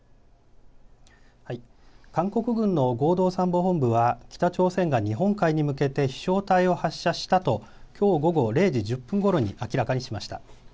韓国軍の合同参謀本部は北朝鮮が日本海に向けて飛しょう体を発射したときょう午後０時１０分ごろに明らかにしました。